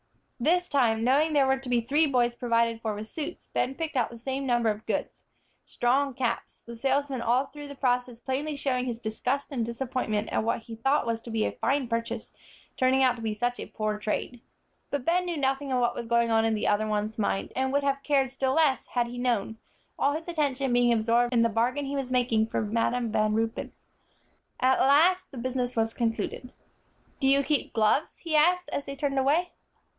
This time, knowing there were to be three boys provided for with suits, Ben picked out the same number of good, strong caps, the salesman all through the process plainly showing his disgust and disappointment at what he thought was to be a fine purchase, turning out to be such a poor trade. But Ben knew nothing of what was going on in the other one's mind, and would have cared still less, had he known, all his attention being absorbed in the bargain he was making for Madam Van Ruypen. At last the business was concluded. "Do you keep gloves?" he asked, as they turned away.